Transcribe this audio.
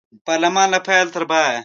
پارلمان له پیل تر پایه